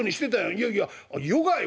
『いやいやヨガよ』。